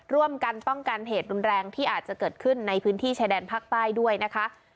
ร่วมกันป้องกันเหตุรุนแรงที่อาจจะเกิดขึ้นในพื้นที่ชายแดนภาคใต้ด้วยนะคะ